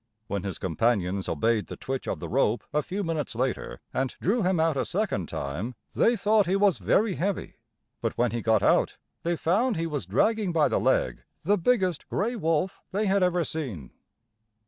When his companions obeyed the twitch of the rope a few minutes later, and drew him out a second time, they thought he was very heavy; but when he got out they found he was dragging by the leg the biggest gray wolf they had ever seen!